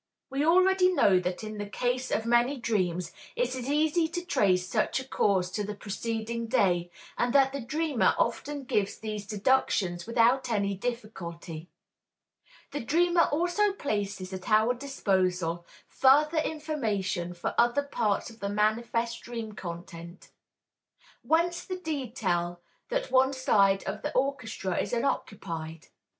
We already know that in the case of many dreams it is easy to trace such a cause to the preceding day, and that the dreamer often gives these deductions without any difficulty. The dreamer also places at our disposal further information for other parts of the manifest dream content. Whence the detail that one side of the orchestra is unoccupied?